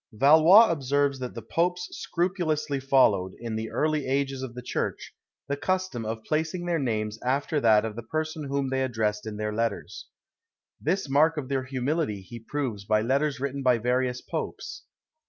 Valois observes that the Popes scrupulously followed, in the early ages of the church, the custom of placing their names after that of the person whom they addressed in their letters. This mark of their humility he proves by letters written by various Popes.